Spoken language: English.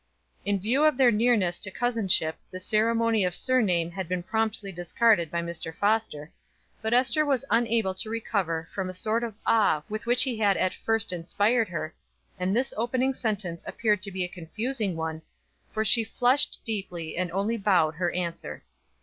In view of their nearness to cousinship the ceremony of surname had been promptly discarded by Mr. Foster, but Ester was unable to recover from a sort of awe with which he had at first inspired her, and this opening sentence appeared to be a confusing one, for she flushed deeply and only bowed her answer.